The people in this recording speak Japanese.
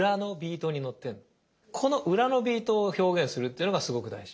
この裏のビートを表現するっていうのがすごく大事。